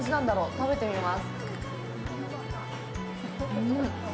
食べてみます。